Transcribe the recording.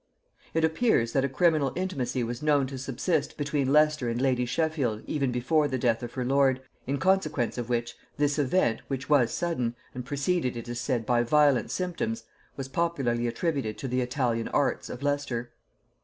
It appears that a criminal intimacy was known to subsist between Leicester and lady Sheffield even before the death of her lord, in consequence of which, this event, which was sudden, and preceded it is said by violent symptoms, was popularly attributed to the Italian arts of Leicester.